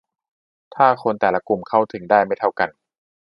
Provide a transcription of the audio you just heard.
ถ้าคนแต่ละกลุ่มเข้าถึงได้ไม่เท่ากัน